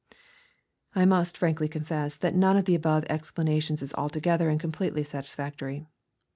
I must frankly confess that none of the above explanations is altogether and completely satisfactory.